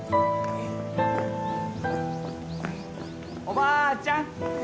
おばあちゃん！